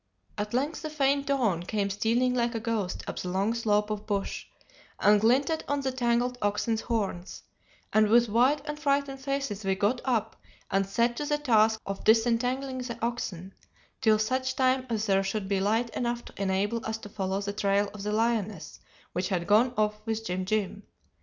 "At length the faint dawn came stealing like a ghost up the long slope of bush, and glinted on the tangled oxen's horns, and with white and frightened faces we got up and set to the task of disentangling the oxen, till such time as there should be light enough to enable us to follow the trail of the lioness which had gone off with Jim Jim.